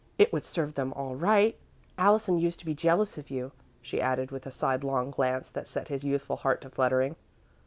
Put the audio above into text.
"It would serve them all right. Allison used to be jealous of you," she added, with a sidelong glance that set his youthful heart to fluttering.